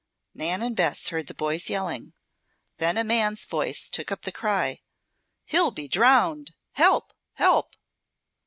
Nan and Bess heard the boys yelling. Then a man's voice took up the cry: "He'll be drowned! Help! Help!"